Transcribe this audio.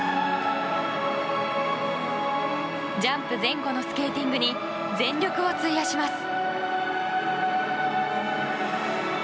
ジャンプ前後のスケーティングに全力を費やします。